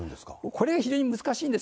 これは非常に難しいんです。